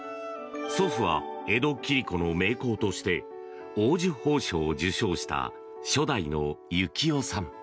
祖父は、江戸切子の名工として黄綬褒章を受章した初代の幸雄さん。